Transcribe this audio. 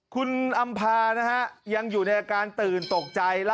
คุณอำภานะฮะยังอยู่ในอาการตื่นตกใจ